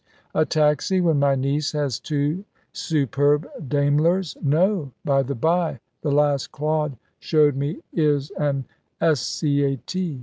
"A taxi when my niece has two superb Daimlers no. By the by, the last Claude showed me is an S.